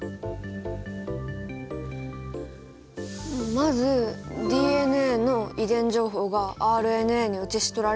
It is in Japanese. まずＤＮＡの遺伝情報がＲＮＡに写し取られる過程が転写ですよね。